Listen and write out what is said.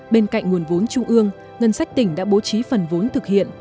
bên cạnh nguồn vốn trung ương ngân sách tỉnh đã bố trí phần vốn thực hiện